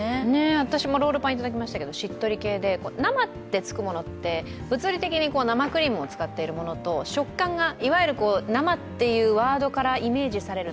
私もロールパンいただきましたけど、しっとり系で、生ってつくものって物理的に生クリームを使っているものと食感が、いわゆる生っていうワードからイメージされる